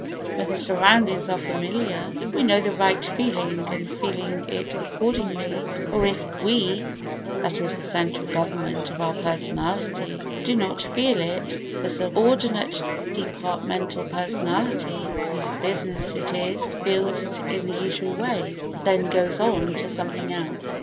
When the surroundings are familiar, we know the right feeling and feel it accordingly, or if "we" (that is the central government of our personality) do not feel it, the subordinate departmental personality, whose business it is, feels it in the usual way and then goes on to something else.